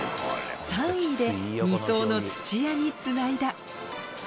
３位で２走の土屋につないだ。